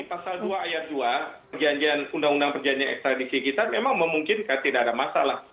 jadi di pasal dua ayat dua perjanjian undang undang perjanjian ekstradisi kita memang memungkinkan tidak ada masalah